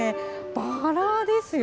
バラですよ。